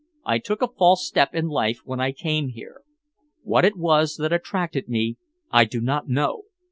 "I took a false step in life when I came here. What it was that attracted me I do not know.